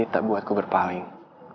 tak buatku berpaling